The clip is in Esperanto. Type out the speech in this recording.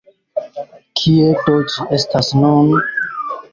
Kie do ĝi estas nun?